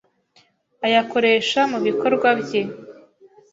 ayakoresha mu bikorwa bye.